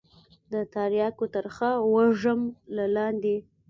د ترياكو ترخه وږم له لاندې.